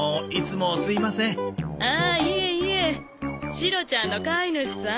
シロちゃんの飼い主さん？